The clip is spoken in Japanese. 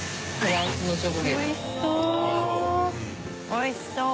おいしそう！